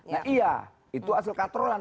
nah iya itu hasil katrolan